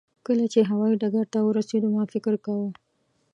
کله چې هوایي ډګر ته ورسېدو ما فکر کاوه.